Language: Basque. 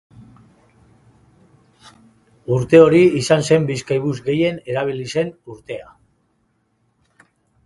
Urte hori izan zen Bizkaibus gehien erabili zen urtea.